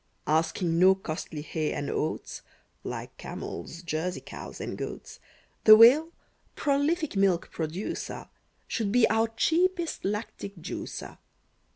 Asking no costly hay and oats, Like camels, Jersey cows, and goats, The Whale, prolific milk producer, Should be our cheapest lactic juicer.